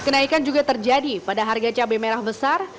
kenaikan juga terjadi pada harga cabai merah besar